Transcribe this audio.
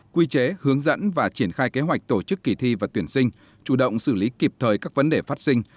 quy chế hướng dẫn và triển khai kế hoạch tổ chức kỳ thi và tuyển sinh chủ động xử lý kịp thời các vấn đề phát sinh